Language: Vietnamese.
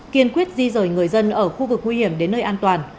kiên quyết di rời người dân ở khu vực nguy hiểm đến nơi an toàn